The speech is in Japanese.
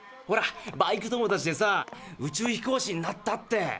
ほらバイク友達でさ宇宙飛行士になったって。